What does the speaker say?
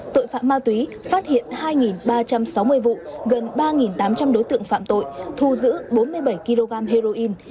tội phạm ma túy phát hiện hai ba trăm sáu mươi vụ gần ba tám trăm linh đối tượng phạm tội thu giữ bốn mươi bảy kg heroin